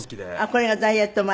これがダイエット前。